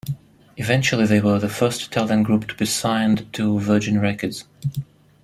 Eventually they were the first Italian group to be signed to Virgin Records.